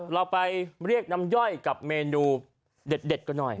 เราไปเรียกน้ำย่อยกับเมนูเด็ดกันหน่อย